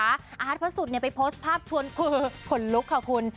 อาร์ตพระสุทธิ์ไปโพสต์ภาพชวนคือขนลุกค่ะคุณ